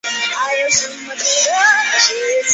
鞘山芎为伞形科山芎属的植物。